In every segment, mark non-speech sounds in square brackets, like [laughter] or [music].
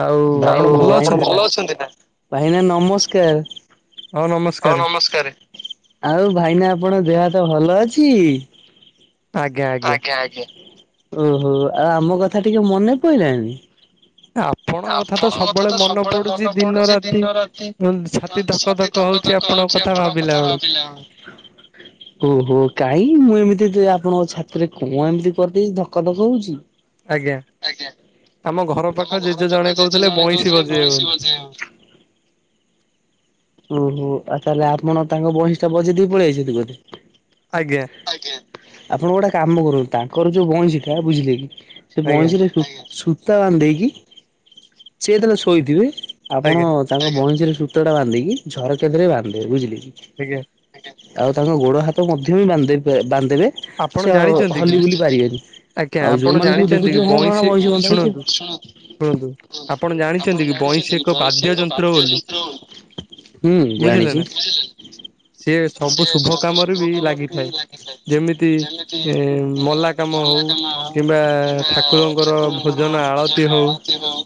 ଆଉ ଆପଣ ଦାଉ ଭଲ ଆମର ଅଛନ୍ତି ନା? ଭଲ ଅଛନ୍ତି ନା ଭାଇନା ନମସ୍କାର। ହଁ ହଉ ନମସ୍କାରେ ନମସ୍କାର ଆଉ ଭାଇନା ଆପଣ ଦେହ ହାତ ଭଲ ଅଛି? ଆଜ୍ଞା ଆଜ୍ଞା ଓହୋ ଆଉ ଆମ କଥା ଟିକେ ମନେ ପଇଲାଣିି? ଆପଣଙ୍କ କଥା ତ ସବୁବେଳେ ମନେ ପଡୁଛି ଦିନ ରାତି ଉଁ ଛାତି ଧ ଧକ ଧକ ହଉଚି ଆପଣଙ୍କ କଥା ଭାବିଲା ବେଳକୁ। ଓ ହୋ କାହିଁ ମୁଁ ଏମିତି ଯେ ଆପଣଙ୍କ ଛାତତିରେ କଣ ଏମିତି କରିଦେଇ ଧକ ଧକ ହଉଛି। ଆଜ୍ଞା। ଆଜ୍ଞା ଆମ ଘର ପାଖ ଆମ ଜେଜେ ଘର ଜଣେ ପାଖ ଜେଜେ କହୁଥିଲେ ଜଣେ ବଇଁଶୀ ଦଉଥିଲେ ବଜେଇବେ ବଇଁଶୀ ବୋଲି ବଜେଇବାକୁ। ଉଁ ହୁଁ ଆଉ ତାହେଲେ ଆପଣ ତାଙ୍କ ବଇଁସ ଟା ବଜେଇ ଦେଇ ପଳେଇ ଆଇଛନ୍ତିୁ ବୋଧେ। ଆଜ୍ଞା।। ଆଜ୍ଞା ଆପଣ ଗୋଟେ କାମ କରନ୍ତୁ ତାଙ୍କର ଯୋଉ ବଇଁଶୀ ବୁଝିଲେ କି? ସେ ଆଜ୍ଞା ବଇଁଶୀରେ ସୂ ସୂତା ବାନ୍ଧିଧେଇକି ସିଏ ଯେତେବେଳେ ଶୋଇଥିବେ ଆଜ୍ଞା ଆପଣ। ତାଙ୍କ ବଇଁଶିରେ ସୂତ ଟା ବାନ୍ଧି ଦେଇକି ଝରକା ଧେରେ ବାନ୍ଧିଦେବେ ବୁଝିଲେ କି? ଆଜ୍ଞା। ଆଜ୍ଞା ଆଉ ତାଙ୍କ ଗୋଡ ହାତ ମଧ୍ୟ ବି ବାନ୍ଧ ବେ ବାନ୍ଧ ଦେବେ। ଆପଣ ସେ ଆଉ ଜାଣିଛନ୍ତି କି ହଲି ବୁଲି ପାରିବେନି। ଆଜ୍ଞା ଆଉ ଆପଣ ଯୋଉମାନେ ସବୁ ଜାଣିଛନ୍ତି କି ଦେଖୁଥିବେ ହଁ କଣ ବଇଁଶୀ ବନ୍ଧା ହେଇଛି ଆଉ ଶୁଣନ୍ତୁ ସୁଣନ୍ତୁ ଶୁଣନ୍ତୁ ଆପଣ କୁହଁନ୍ତୁ ଆପଣ ଜାଣିଛନ୍ତି କି ବଇଁଶୀ ଜାଣିଛନ୍ତି କି ଏକ ବଇଁଶୀ ବାଦ୍ୟ ଏକ ଯନ୍ତ୍ର ବାଦ୍ୟ ବୋଲି ଯନ୍ତ୍ର ବୋଲି। ହୁଁ ବୁଝିଲେ ଜାଣିଛି ନା। ଜାଣିଛନ୍ତି ସିଏ ସବୁ ସିଏ ଶୁଭ ସବୁ କାମରେ ସୁଭ ବି କାମରେ ଲାଗିଥାଏ ବି ଯା ଇଟେ ଯେମିତି ଯେମିତି ଏ ଉଁ ମଲା କାମ ମଲାକାମ ହଉ କିମ୍ବା ଠାକୁରଙ୍କର ଠାକୁର ଠାକୁର ଭୋଜନ ପୁଜାରେ ହଉ ଆଳତି ରେ ହଉ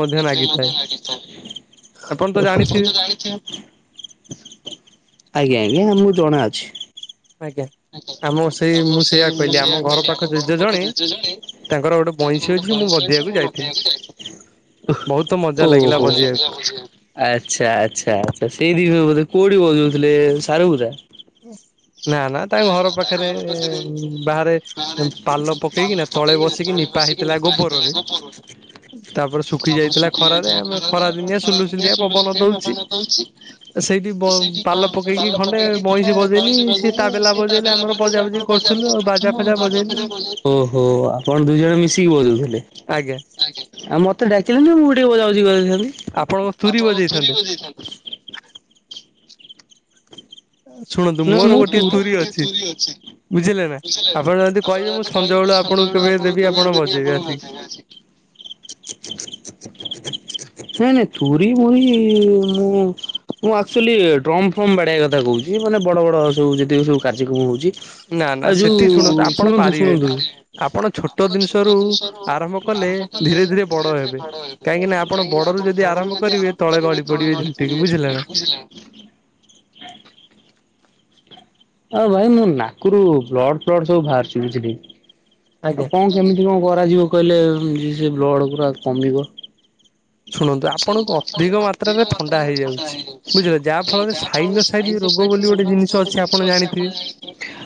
ମଧ୍ୟ ଏଥିରେ ଲାଗିଥାଏ। ମଧ୍ୟ ଆପଣ ଲାଗିଥାଏ। ତ ଓ ହୋ ମୁଁ ଜାଣିଥିବେ ତ ଜାଣିଛି ଆଜ୍ଞା ଆଜ୍ଞା ଆମକୁ ଜଣା ଅଛି। ଆଜ୍ଞା। ଆଜ୍ଞା ଆମ ସେଇ ସାମ ସେଇ ମୁଁ କହିଲି ଆମ ସେଇଆ ଘର କହିଲି ପାଖ ଆମ ଘର ଜେଜେ ପାଖ ଜଣେ ଯେଯେ ଜଣେ ଗୋଟେ ତାଙ୍କର ବଇଁଶୀ ଗୋଟେ ଅଛି ମୁଁ ବଇଁଶୀ ଅଛି ବଜେଇବାକୁ ମୁଁ ଯାଇଥିଲି ବଯେଇବାକୁ ଯାଇ ଥିଲି। ବହୁତ ମଜା ଓ ଲାଗିଲା ହୋ ମଜା ବଜେଇବାକୁ। ଲାଗିଲା ବୁଝେଇ ବାକୁ। ଆଚ୍ଛା ଆଚ୍ଛା ଆଚ୍ଛା ସେଇ ଦିରେ ବୋଧେ କୋଉଠି ବଜଉଥିଲେ ସାରୁବୁଦା? ନା ନା ତାଙ୍କ ଘର ପାଖେରେ ବାହାରେ ପାଲ ପକେଇକି ନା ତ ତଳେ ବସିକି ନିପା ହେଇଥିଲା ଗୋବରରେ, ତାପରେ ଶୁଖି ଯାଇଥିଲା ଖରାରେ ଆମେ ଖରା ଦିନିଆଁ ସୁଲୁ ସୁଲିଆ ପବନ ଦଉଛି। ସେଇଠି ବ ପାଲ ପକେଇକି ଖଣ୍ଡେ ବଇଁଶି ବଜେଇଲିି ସିଏ ତା ବେଲା ବ ତାବେଲା ବଜେଇଲି ଆପଣ ବଜା ବୁଯି କରୁଚି ମୁଁ ବାଯା ବଜେଇଲୁ ଫାଯା ବଯେଇ ଓହୋ ଆପଣ ଦୁଇ ଜଣ ମିଶିକି ବଜଉଥିଲେ ଆଜ୍ଞା। ଆଉ ମତେ ଡାକିଲେନି ମୁଁ ଟିକେ ବଜା ବୁଜି କରିଦେଇଥାନ୍ତି ତୁରି ଆପଣ କଣ ତୁରୀ ବଜେଇଥାନ୍ତେ ବଜେଇ ଥାନ୍ତେ? ଶୁଣନ୍ତୁ ନା ମୋର ମୁଁ ଗୋଟିଏ ତୁର ମୋର ତୁରି ଗୋଟିଏ ତୁରି ଅଛି। ବୁଝିଲେ ନା ଆପଣ ଆପଣ ଯଦି ସଞ୍ଜ କହିବେ ବେଳୁ ମୁଁ ସଞ୍ଜବେଳୁ କେବେ ଆପଣଙ୍କୁ ଦେବି ଆପଣ କେବେ ଦେବି ବଜେଇବେ ଆପଣଙ୍କୁ ଆସିକି। [inaudible] [unintelligible] ନାଁଇ, ନାଇଁ, ଥୁରି ମୁରି ମୁଁ ମୁଁ ଆକ୍ଚୁଆଲି ଡ୍ରମ୍ ଫ୍ରମ୍ ବାଡ଼େଇଆ କଥା କହୁଛି, ମାନେ ବଡ଼ ବଡ଼ ସବୁ ଯଦି ସବୁ କାର୍ଯ୍ୟକ୍ରମ ହଉଛି। ନା ନା ଆ ଯୋଉ ସେଠି ଆପଣ ଶୁଣନ୍ତୁ ପାରିବେନି ଶୁଣନ୍ତୁ। ଆପଣ ଛୋଟ ଜିନିଷରୁ କଲେ ଧୀରେ ଧୀରେ ବଡ ହେବେ କାହିଁକି ନା ଆପଣ ଘରରୁ ଯଦି ଆରମ୍ଭ କରିବେ ତଳେ ଗଳି ପଡ଼ି ଯିବେ, ବୁଝିଲେ? ଆଉ ଭାଇ ମୋ ନାକରୁ ବ୍ଲଡ ଫ୍ଲଡ ସବୁ ବାହାରୁଛି, ବୁଝିଲି। ଆଜ୍ଞା। ଆଉ କଣ କେମିତି କଣ କରାଯିବ କହିଲେ ସେ ବ୍ଲଡ ପୁରା କମିବ? ଶୁଣନ୍ତୁ ଆପଣଙ୍କୁ ଅଧିକ ଥଣ୍ଡା ମାତ୍ରାରେ ଥଟା ହେଇଯାଉଛି ବୁଝିଲେ ବଝିଲେ ଯାହା ଫଳରେ ସାଇନୋସାଇଡ୍ ସାଇନସ୍ ରୋଗ ବୋଲି ଗୋଟେ ଜିନିଷ ଅଛି ଆପଣ ଜାଣିଥିବେ।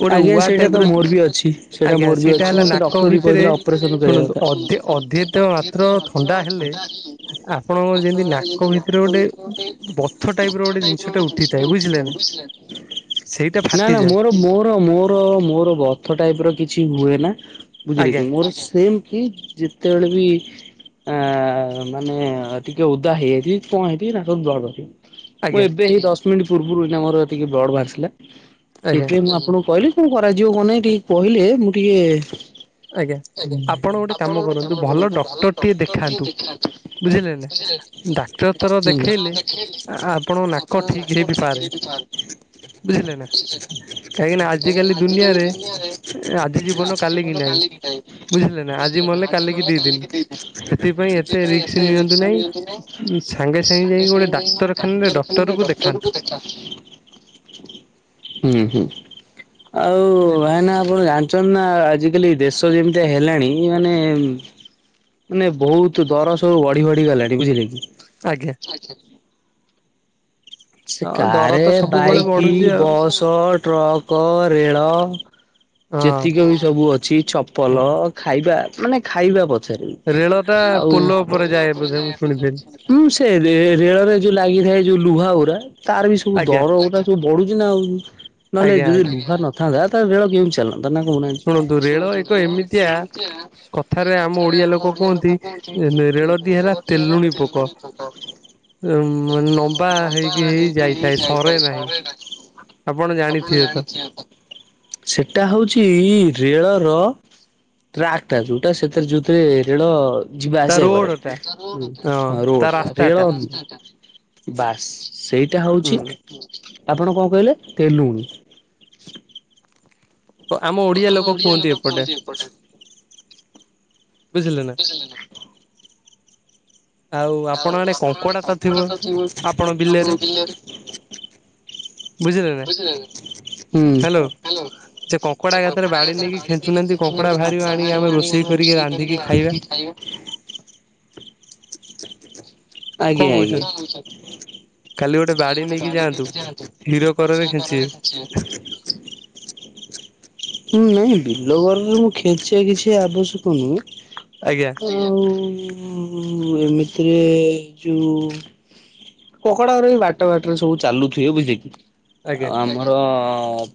ଗୋଟେ ଆଜ୍ଞା, ଉଆ ସେଇଟା ଟାଇପ୍ ତ ର ମୋର ବି ଅଛି। ସେଇଟା ଆଜ୍ଞା ମୋର ବି ଅଛି, ହେଲା ମତେ ନାକ ଡକ୍ଟର ବି ଭିତରେ କହିଥିଲା ଅପରେସନ କରିବା ଶୁଣନ୍ତୁ କଥା। ଅଧେ ଅଧିତ ଆପଣ ଆପଣଙ୍କର ଯେମିତି ନାକ ଭିତରେ ଗୋଟେ ବଥ ଟାଇପ୍ ର ବଥ ଟାଇପର ଜିନିଷଟା ଗୋଟେ ଉଠିଥାଏ ଜିନିଷଟେ ବୁଝିଲେ ନା। ଉଠି ସେଇଟା ନା, ନା, ଫାଟିଯାଏ ମୋର ମୋର ମୋ ର ମୋର ବଥ ଟାଇପର କିଛି ହୁଏନା ବୁଝିଲେ ଆଜ୍ଞା କି, ମୋର ସେମିତି ଯେତେବେଳେ ପି ଆଁ ମାନେ ଟିକେ ଉଦା ହେଇଯାଇଥିବି କଣ ହେଇଥିବି ନାକରୁ ବ୍ଲଡ୍ ବାହାରୁଛି। ମୁଁ ଆଜ୍ଞା ଏବେ ହେଇ ଦଶ ମିନିଟ୍ ପୂର୍ବରୁ ଏଖିନା ମୋର ଟିକେ ବ୍ଲଡ୍ ବାହାରିିଥିଲା, ଆଜ୍ଞା ସେଇଥିପାଇଁ ମୁଁ ଆପଣଙ୍କୁ କହିଲି। କଣ କରାଯିବ କହୁନ ଏଇ ଟିକେ କହିଲେ ମୁଁ ଟିକେ ଆଜ୍ଞା, ଆପଣ ଗୋଟେ କାମ କରନ୍ତୁ, ଭଲ ଡକ୍ଟର ଟିଏ ଦେଖାନ୍ତୁ। ହୁଁ। ବୁଝିଲେ ନା। ଡାକ୍ତର [inaudible] କାହିଁକି ନା ତର ଦେଖେଇଲେ ଆପଣଙ୍କ ନାକ ଠିକ୍ ହେଇ ବିି ପାରେ ବୁଝିଲେ ନା। କାହିଁକି ନା ଆଜିକାଲି ଆଜିିକାଲି ଦୁନିଆରେ ଆଜି ଭଲ କାଲି ଠିକ୍ ନାହିଁ, ବୁଝିଲେ ନା ଆଜି କାଲିକି ମଲେ ଦିନ କାଲିିକି ଦି ଦିନ ସେଥିପାଇଁ ଏତେ ରିସ୍କ ନିଅନ୍ତୁ ନାହିଁ। ସାଙ୍ଗେ ସାଙ୍ଗେ ଯାଇଁକି ଗୋଟେ ଡାକ୍ତରଖାନାରେ ଡାକ୍ତର କୁ ଦେ ହୁଁ, ହୁଁ। ଆଉ ବୁଝିଲେ ଭାଇନା ଆପଣ ଜାଣିଛନ୍ତି ନା ଆଜିକାଲି ଦେଶ ଯେମିତିଆ ହେଲାଣି ମାନେ ମାନେ ବହୁତ ଦର ସବୁ ବଢି ବଢି ଗଲାଣି, ବୁଝିଲେ କି? ଆଜ୍ଞା। ଆଚ୍ଛା। ସେ ହଁ ଦର କାରେ, ତ ସବୁବେଳେ ବାଇକ୍, ବଢୁଛି ଆଉ ବସ୍, ଟ୍ରକ୍, ରେଳ ହଁ ଯେତିକ ଜିନିଷ ସବୁ ଅଛି, ଚପଲ, ହଁ ଖାଇବା ମାନେ ଖାଇବା ପ [inaudible] ରେଳ ଟା ଆଉ ପୋଲ ଉପରେ ଯାଏ ବୋଧେ ମୁଁ ଶୁଣିଥିଲି ହୁଁ, ସେ ରେ ରେଳ ରେ ଯୋଉ ଲାଗିଥାଏ ଯୋଉ ଲୁହା ଗୁରା ତାର ବି ସବୁ ଆଜ୍ଞା ଦର ଗୁରା ସବୁ ବଢୁଛି ନା ଆଉ, ନହେଲେ ଆଜ୍ଞା ଯଦି ଆଜ୍ଞା ଲୁହା ନଥାନ୍ତା ତାହାଲେ ରେଳ କେମିତି ଚାଲ ନ୍ତା, ନା କହୁନାହାନ୍ତି? ଶୁଣନ୍ତୁ ରେଳ କୁହନ୍ତି ଏକ [unintelligible] ଏମିତିଆ କଥାରେ ଆମ ଓଡିଆ ଲୋକ କୁହନ୍ତି କିଏ ହେଲା ତେଲୁଣି ପୋକ। ଉଁ ମାନେ ଲମ୍ବା ହେଇ ହେଇ ହେଇ ଯାଇଥାଏ ସରେ ନାହିଁ, ଆପଣ ଜାଣିଥିବେ ତ। ସେଟା ହଉଛି ରେଳ ର ଟ୍ରାକ୍ ଟା ଯୋଉଟା ସେଥିରେ ଯୋଉଥିରେ ରେଳ ଯିବା ତା ଆସିବା କରେ, ରୋଡ ଟା ହଁ ତା ରୋଡ଼ ରାସ୍ତା ଟା ରେଳ ବାସ୍। ସେଇଟା ହଉଛି ହୁଁ ଆପଣ କଣ କହିଲେ ତେଲୁଣି। ଆମ ଓଡିଆ ଲୋକ କୁହନ୍ତି ଏପଟେ। ବୁଝିଲ ନା। ନା। [unintelligible] ଆଉ ଆପଣଙ୍କ ଆଡେ କପଡା ତ ଆପଣ ଅଛିିବହୁତ୍ ବିଲରେ ଆପଣଙ୍କ ପିଲରେ। ବୁଝିଲେ ନା ହୁଁ ହ୍ୟାଲୋ। ସେ କଙ୍କଡା ଗାତରେ ବାଡ଼ି ଦେଇକି ଖେଞ୍ଚିଲେ କଙ୍କଡା ଭରିବ ଆଣିକି ଆମେ ରୋଷେଇ କରିକି ରନ୍ଧିକି ଖାଇବା। [inaudible] କଣ ଆଜ୍ଞା କହୁଛନ୍ତି ଆଜ୍ଞା। କାଲି ଗୋଟେ ବାଡ଼ି ନେଇକି ଯାଆନ୍ତୁ ହୀର କରରେ ଖେଞ୍ଚିବେ। ଆଚ୍ଛା। [unintelligible] ହଁ ନାଇଁ ବିଲ ଗଲେ ମୁଁ ଖେଞ୍ଚିବା କିଛି ଆବଶ୍ୟକ ନୁହେଁ। ଆଜ୍ଞା। ଆଉ ଏମିତିରେ ଯୋଉ କକଡା ଗୁଡାକ ବି ବାଟ ବାଟରେ ସବୁ ଚାଲୁଥିବେ ବୁଝିଲେ କି ଆଜ୍ଞା ଆଉ ଆମ ତ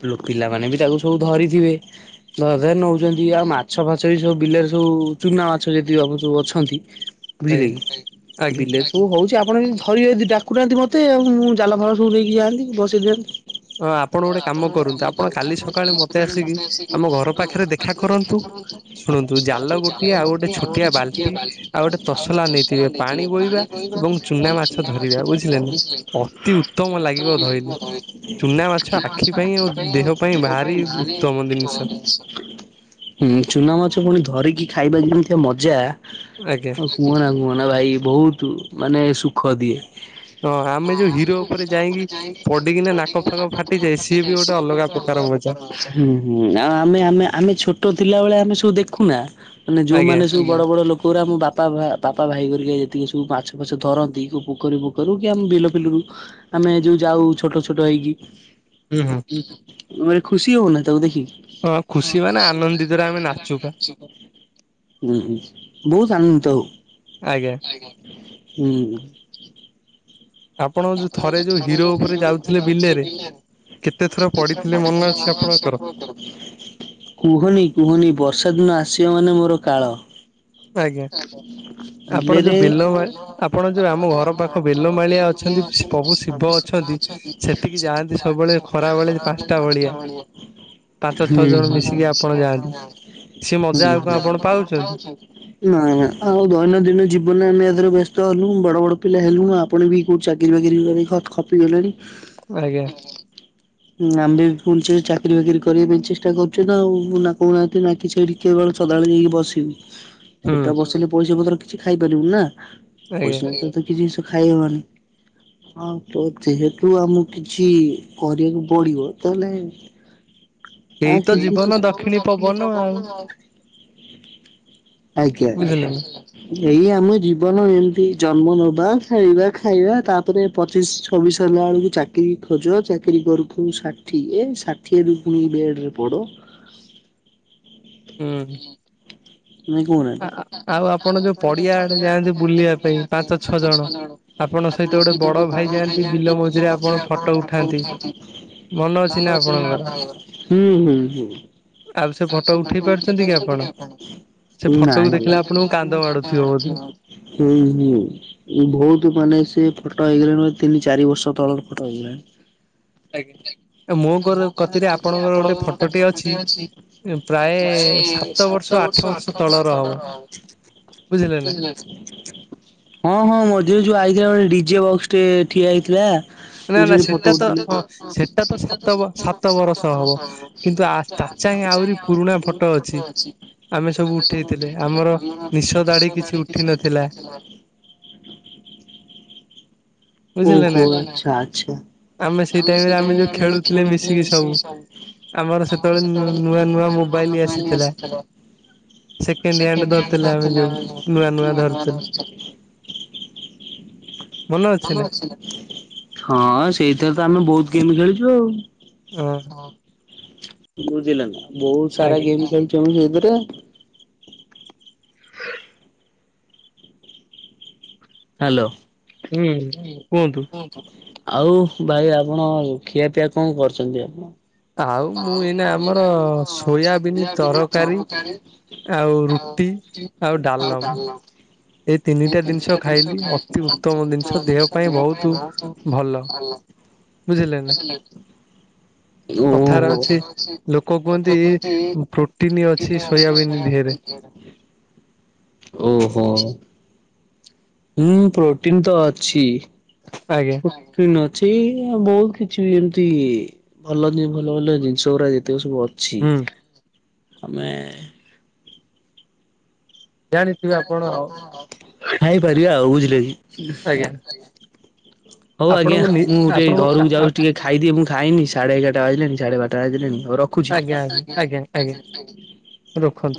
ପିଲ ପିଲାମାନେ ବି ତାକୁ ସବୁ ଧରିଥିବେ। ଧରା ଧରି ନଉଛନ୍ତି ଆଉ ମାଛ ଫାଛ ବି ସବୁ ବିଲରେ ସବୁ ଚୁନା ମାଛ ଯଦି ଆପଣ ସବୁ ଅଛନ୍ତି। ଆଜ୍ଞା ବୁଝିଲେ କି ଆଜ୍ଞା ବିଲେଶ ସବୁ ହଉଛି ଆପଣ ଯଦି ଧରିବେ ଡାକୁୁନାହାନ୍ତି ମତେଉ ମୁଁ ଜାଲ ଫାଲ ସବୁ ନେଇକି ଯାଆନ୍ତି ବସେଇ ଦିଅନ୍ତି। ହଁ ଆପଣ ଗୋଟେ କାମ କରୁନ୍ତୁ ଆପଣ କାଲି ସକାଳେ ମତେ ଆସିକି ଆମ ଘର ପାଖରେ ଦେଖା କରନ୍ତୁ। ଆପଣ ଶୁଣନ୍ତୁ ଚାଲ ଦୋକି ଆଉ ଗୋଟେ ଛୁଟିଆ ବାଲି ଆଉ ଗୋଟେ ଚଷଲା ନେଇଥିବେ ପାଣି। [unintelligible] କହିବା ଚୁନା ମାଛ [unintelligible] ବୁଝିଲେ କି ଉତ୍ତମ ଲାଗିବ। ଏ ଚୁନା ମାଛ ଆମ ପାଇଁ ଦେହ ପାଇ ଭାରି [unintelligible] ହୁଁ ଚୁନା ମାଛ ପୁଣି ଧରିକି ଖାଇବା ଯେମିତିଆ ମଜା। ଆଜ୍ଞା। ଆଉ କୁହନା କୁହନା ଭାଇ ବହୁତ ମାନେ ସୁଖ ଦିଏ। ହଁ ଆମେ ଯୋଉ ହିରୋ ଉପରେ ଯାଇକି ପଡିକିନା ନାକ ଫାକ ଫାଟିଯାଏ ସିଏ ବି ଗୋଟେ ଅଲଗା ପ୍ରକା ତାର ମଜା। ହୁଁ ହୁଁ ଆଉ ଆମେ ଆମେ ଆମେ ଛୋଟ ଥିଲାବେଳେ ଆମେ ସବୁ ଦେଖୁନା ମାନେ ଆଜ୍ଞା ଯୋଉମାନେ ସବୁ ବଡ ବଡ ଲୋକ ଉରା ମୋ ବାପା ବାପା ଭାଇ ହରିକା ଯେତିକି ସବୁ ବାଛ ଫାଛ ଧରନ୍ତି- ପୋଖରୀ ବୋଖରି ରୁ କି ଆମେ ବିଲ ଫିଲରୁ ଆମେ ଯୋଉ ଯାଉ ଛୋଟ ଛୋଟ ହେଇକି। ହୁଁ ହୁଁ ଉ ଭାରି ଖୁସି ହଉନା ତାକୁ ଦେଖି। ହଁ ଖୁସି ମାନେ ଆମେ ମାନେ [unintelligible] ହୁଁ ହୁଁ ବହୁତ ଆନନ୍ଦିତ ହଉ। ଆଜ୍ଞା! ଆଜ୍ଞା। ହୁଁ ଆପଣ ଯୋଉ ଥରେ ଯୋଉ ହିରୋ ଉପରେ ଯାଉଥିଲେ ବିଲେରେ [unintelligible] କେତେ ଥର ପଡିଥିଲେ ମନେ ଅଛି ଆପଣଙ୍କର? କୁହନି କୁହନି ବର୍ଷା ଦିନ ଆସିବ ମାନେ ମୋର କାଳ। ଆଜ୍ଞା [unintelligible] ଆପଣ ବିଲରେ ଯୋଉ ବେଲ ମା ଆପଣ ଯୋଉ ଆମ ଘର ପାଖ ବେଲମାଳିଆ ଅଛନ୍ତି ପ୍ରଭୁ ଶିବ ଅଛନ୍ତି ସେଠିକି ଯାଆନ୍ତି ସବୁବେଳେ ଖରା ବେଳେ ପାଞ୍ଚଟା ଭଳିଆ [unintelligible] [inaudible] [unintelligible] ପାଞ୍ଚ ଛଅ ନାଇ ଜଣ ନା ମିଶିକି ଆପଣ ଯାଆନ୍ତି ଆଉ ସେ ଦୈନନ୍ଦିନ ମଜା ଆଉ କଣ ଜୀବନରେ ଆପଣ ପାଉଛନ୍ତି? ଆମେ ଏଥେରେ ବ୍ୟସ୍ତ ହେଲୁ, ବଡ ବଡ ପିଲା ହେଲୁଣି ଆପଣ ବି। କଉଠି ଚାକିରି ବାକିରି କରିକି ଖ ଖପିଗଲେଣି। ଆଜ୍ଞା। [inaudible] ଆମେ ପୁଣି ସେ ଚାକିରି ବାକିରି କରିବା ପାଇଁ ଚେଷ୍ଟା କରୁଛୁ ତ ନା କହୁନାହାନ୍ତି। ନା କିଛି ଏଠି କେବେଳ ସଦାବେଳେ ପାଇଁ ବସିବି। ହୁଁ ସେଟା ବସିଲେ ପଇସା ପତ୍ର କିଛି ଖାଇ ପାରିବୁନୁ ନା ଆଜ୍ଞା [unintelligible] କିଛି ଜିନିଷ ଖାଇହବନି। ହଁ ତ ଯେହେତୁ ଆମକୁ କିଛି କରିବାକୁ ପଡିବ ତାହେଲେ ଏଇ ତ ଏଇତ ଜୀବନ ଦକ୍ଷିଣୀ ଦକ୍ଷୀଣୀ ପବନ ବପନ ଆଉ। ଆଜ୍ଞା ବୁଝିଲେ ଆଜ୍ଞା ନା ଏଇ ଆମ ଜୀବନ ଏମିତି ଜନ୍ମ ନବା ଖାଇବା ଖାଇବା ତାପରେ ପଚିଶ ଛବିଶ ହେଲା ବେଳକୁ ଚାକିରି ଖୋଜୁ ନ ଚାକିରି କରୁ କରୁ ଷାଠି ଠିଏ ଷାଠିଏରୁ ପୁଣି ବେଡ଼ ରେ ପଡ଼ ହୁଁ ଆଉ ଆପଣ ଯୋଉ ପଡିଆ ଆଡେ ଯାଆନ୍ତି ବୁଲିବା ପାଇଁ ପାଞ୍ଚ ଛ ଜଣ। ଆପଣ ଆପଣଙ୍କ ସହିତ ବଡ ଗୋଟେ ଭାଇ ଧରମ ଯାଆନ୍ତି ବିଲ ଭାଇଯାଆନ୍ତି ଵିଲ ମଝିରେ ଫଟୋ ଆପଣ ଫଟ ଉଠାନ୍ତି। ମନେ ଅଛି ନା ଆପଣଙ୍କର ହୁଁ ହୁଁ ହୁଁ ଆଉ ସେ [unintelligible] କେବେ ଆସୁଚନ୍ତି କି ଆପଣ? ସେ ସୁଟିଙ୍ଗ ଫଟୋକୁ ଦେଖିଲେ କାନ୍ଦ ଆପଣଙ୍କୁ ମାଡୁଥିବ ବୋଧେ। କାନ୍ଦ ମାଡୁଥିବ। ବୋହୁତୁ ମାନେ ସେ ଫଟୋ ହେଇଗଲାଣି ତିନି ଚାରି ବର୍ଷ ତଳର ଫଟୋ ହେଇଗଲାଣି। ଆଜ୍ଞା। ମୁଁ କଣ [unintelligible] ଆପଣଙ୍କର ଗୋଟେ ଫଟ ଟେ ଅଛି। ପ୍ରାୟ ପ୍ରାଏ ସାତ ବର୍ଷ ଆଠ ବର୍ଷ ତଳର ହବ। ବୁଝିଲେ ନା [unintelligible] ହଁ ହଁ ମଝିରେ ଯୋଉ ଆଇଥିଲା ଗୋଟେ ଡିଜେ ବକ୍ସ ଟେ ଠିଆ ହେଇଥିଲା। ମୁଁ ନାଁନାଁ ସେଇଠି ଫଟୋ ସେଟା ତ ହଁ ସେଟା ତ ଉଠେଇଲି ସାତ ବ ସାତ ବରଷ ହବ। କିନ୍ତୁ ଆ ତା ଚାଇଁ ଆଉରି ପୁରୁଣା ଫଟୋ ଅଛି। ଆମେ ସବୁ ଉଠେଇଥିଲେ ଆମର ନିଷ ଦାଢି କିଛି ଉଠିନଥିଲା। ଓ ବୁଝିଲେ ନା ହୋଃ ଆଚ୍ଛା ଆଚ୍ଛା। ଆମେ ସେଇ ଟାଇମ୍ ରେ ଆମେ ଯୋଉ ଖେଳୁଥିଲେ ମିଶିକି ସବ ଆମର ସେତେବେଳେ ନୁ ନୂଆ ନୂଆ ମୋବାଇଲି ଆସିଥିଲା। ସେକେଣ୍ଡ ହ୍ୟାଣ୍ଡ୍ ଧରୁଥିଲେ ଆମେ ଆମେ ଦୁହେଁ ନୂଆ ନୂଆ ଧରୁଚନ୍ତି। ମନେ ଅଛି ନା? ହଁ ସେଇଥିରେ ତ ଆମେ ବୋହୁତ ଗେମ୍ ଖେଳିଚୁ ଆଉ। ହଁ ବୁଝିଲେନା ବୋହୁତ ସାରା ଆଜ୍ଞା ଗେମ୍ ଖେଳିଚୁ ଆମେ ସେଥିରେ। [inaudible] ହାଲୋ ହୁଁ କୁହନ୍ତୁ ଆଉ ଭାଇ ଆପଣ ଖିଆପିଆ କଣ କରୁଚନ୍ତି ଆପଣ? ଆଉ ମୁଁ ଏଇନା ଆମର ସୋୟାବିନ ତରକାରୀ ଆଉ ରୁଟି ଆଉ ଡାଲମ ଏଇ ତିନିଟା ଜିନିଷ ଖାଇଲି ଅତି ଉତ୍ତମ ଜିନିଷ ଦେହ ପାଇଁ ବୋହୁତୁ ଭଲ। ବୁଝିଲେନା କଥା ଥା ଓହୋ ଅଛି ଲୋକ କୁହନ୍ତି ପ୍ରୋଟିନ ଅଛି ସୋୟାବିନ୍ ଦିହରେ। [inaudible] ଓ ହୋ ହୁଁ ପ୍ରୋଟିନ୍ ତ ଅଛି। ଆଜ୍ଞ ପ୍ରୋଟିନ ଅଛି ଆଉ ବୋହୁତ କିଛିବି ଏମିତି ଭଲଯେ ଭଲ ଭଲ ଜିନିଷ ଉରା ଯେତିକ ସବୁ ଅଛି ହୁଁ ଆମେ ଜାଣିଥିବେ ଆପଣ ଆଉ ଖାଇପାରିବା ଆଉ ବୁଝିଲେକି? ଆଜ୍ଞା। ହଉ ଆଜ୍ଞା ଆପଣଙ୍କୁ ନି ମୁଁ ଟିକେ ଆପଣଙ୍କୁ ଘରକୁ ଯାଉଛି ଟିକେ ଖାଇଦିଏ ମୁଁ ଖାଇନି। ସାଢେ ଏଗାରଟା ବାଜିଲାଣି ସାଢେ ବାରଟା ବାଜିଲାଣି। ହଉ ର ରଖୁଚି। ଆଜ୍ଞା ଆଜ୍ଞା ଆଜ୍ଞା ଆଜ୍ଞା ରଖନ୍ତୁ।